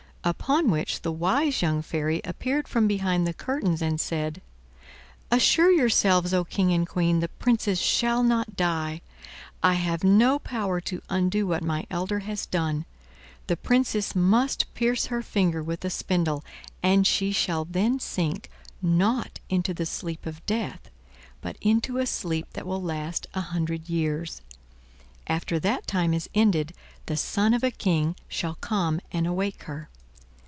Upon which the wise young fairy appeared from behind the curtains and said: "Assure yourselves O King and Queen; the Princess shall not die. I have no power to undo what my elder has done. The Princess must pierce her finger with a spindle and she shall then sink, not into the sleep of death, but into a sleep that will last a hundred years. After that time is ended, the son of a King shall come and awake her."